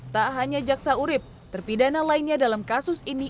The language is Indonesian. tak hanya jaksa urib terpidana lainnya dalam kasus ini